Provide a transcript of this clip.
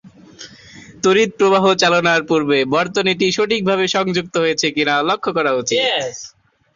ইয়র্কশায়ারের পক্ষে দুই মৌসুম বেশ ভালো খেলেন।